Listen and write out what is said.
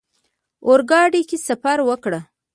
اورګاډي کې سفر وکړ.